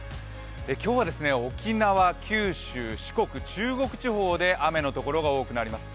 今日は沖縄、九州、四国、中国地方で雨のところが多くなります。